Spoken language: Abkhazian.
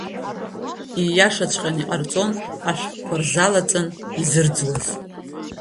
Ииашаҵәҟьаны иҟарҵон ашәҟәқәа рзалаҵаны изырӡуаз.